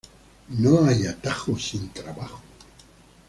No hay atajo sin trabajo